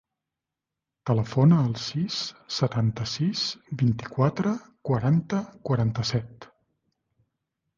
Telefona al sis, setanta-sis, vint-i-quatre, quaranta, quaranta-set.